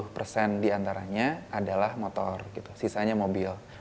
tujuh puluh persen diantaranya adalah motor sisanya mobil